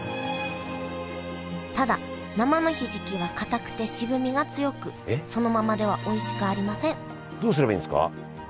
ただ生のひじきはかたくて渋みが強くそのままではおいしくありませんどうすればいいんですか？